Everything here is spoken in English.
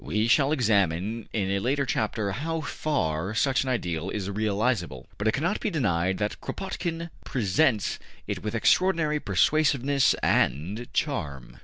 We shall examine in a later chapter how far such an ideal is realizable, but it cannot be denied that Kropotkin presents it with extraordinary persuasiveness and charm.